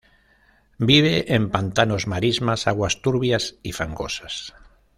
Vive en pantanos, marismas, aguas turbias y fangosas.